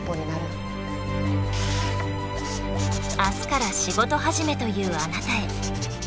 あすから仕事始めというあなたへ。